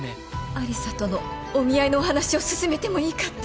有沙とのお見合いの話を進めてもいいかって。